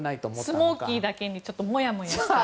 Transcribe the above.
スモーキーだけにちょっともやもやした。